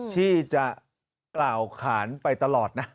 ที่จะกล่าวขานไปตลอดนะ